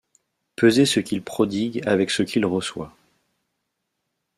Pesez ce qu’il prodigue avec ce qu’il reçoit.